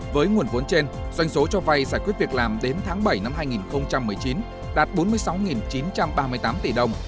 với nguồn vốn trên doanh số cho vay giải quyết việc làm đến tháng bảy năm hai nghìn một mươi chín đạt bốn mươi sáu chín trăm ba mươi tám tỷ đồng